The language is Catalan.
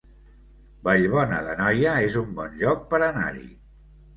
Vallbona d'Anoia es un bon lloc per anar-hi